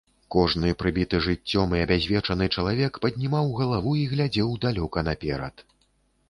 Кожны прыбіты жыццём і абязвечаны чалавек паднімаў галаву і глядзеў далёка наперад.